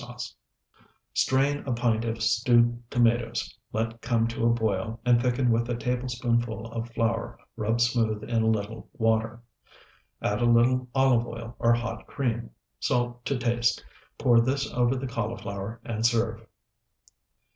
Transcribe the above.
Sauce: Strain a pint of stewed tomatoes, let come to a boil, and thicken with a tablespoonful of flour rubbed smooth in a little water; add a little olive oil or hot cream; salt to taste. Pour this over the cauliflower, and serve.